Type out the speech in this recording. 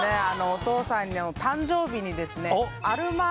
お父さんの誕生日にですね・